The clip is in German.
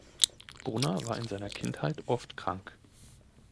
Brunner war in seiner Kindheit oft krank.